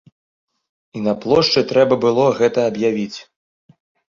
І на плошчы трэба было гэта аб'явіць.